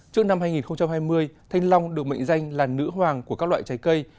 trước năm hai nghìn hai mươi thanh long được mệnh danh là nữ hoàng của các loại trái cây